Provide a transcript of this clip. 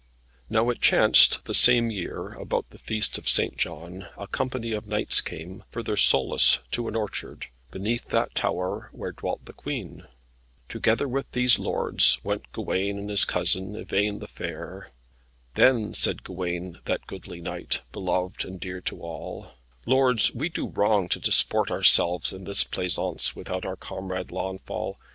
Now it chanced, the same year, about the feast of St. John, a company of knights came, for their solace, to an orchard, beneath that tower where dwelt the Queen. Together with these lords went Gawain and his cousin, Yvain the fair. Then said Gawain, that goodly knight, beloved and dear to all, "Lords, we do wrong to disport ourselves in this pleasaunce without our comrade Launfal.